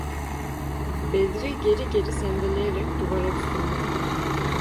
Bedri geri geri sendeleyerek duvara tutundu.